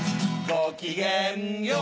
ごきげんよう